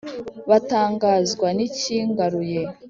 batangazwa n'ikingaruye